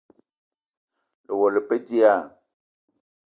Lewela le pe dilaah?